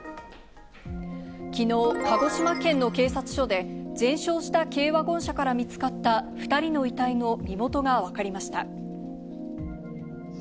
きのう、鹿児島県の警察署で、全焼した軽ワゴン車から見つかった２人の遺体の身元が分かりました。